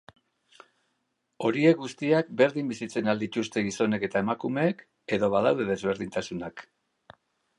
Horiek guztiak berdin bizitzen al dituzte gizonek eta emakumeek, edo badaude desberdintasunak?